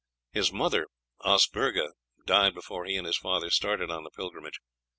His mother, Osburgha, died before he and his father started on the pilgrimage.